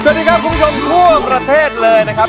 สวัสดีครับคุณผู้ชมทั่วประเทศเลยนะครับ